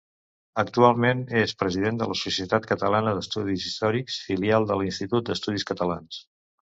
Actualment és president de la Societat Catalana d'Estudis Històrics, filial de l'Institut d'Estudis Catalans.